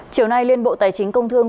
chiều nay liên bộ tài chính công thương